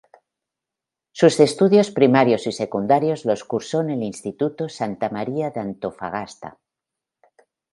Sus estudios primarios y secundarios los cursó en el Instituto Santa María de Antofagasta.